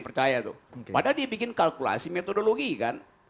padahal dia bikin kalkulasi metodologi kan